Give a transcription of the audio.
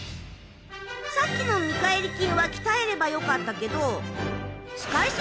さっきの見かえり筋は鍛えればよかったけど。